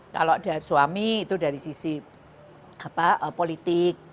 kalau dari suami itu dari sisi politik